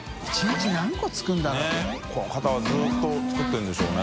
ずっと作ってるんでしょうね。